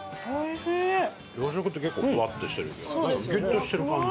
養殖って結構ふわってしてるけどなんかギュッとしてる感じ。